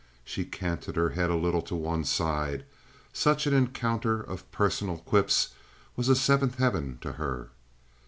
She canted her head a little to one side; such an encounter of personal quips was a seventh heaven to her.